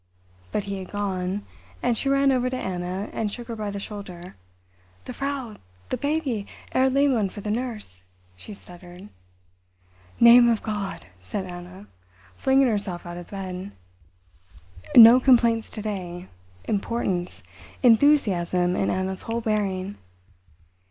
But he had gone, and she ran over to Anna and shook her by the shoulder. "The Frau—the baby—Herr Lehmann for the nurse," she stuttered. "Name of God!" said Anna, flinging herself out of bed. No complaints to day. Importance—enthusiasm in Anna's whole bearing.